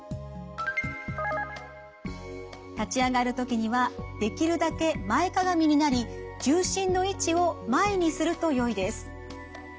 立ち上がるときにはできるだけ前屈みになり重心の位置を前にするとよいです。